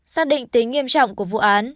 xác định tính nghiêm trọng của vụ án